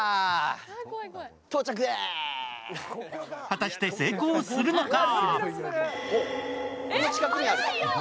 果たして成功するのか？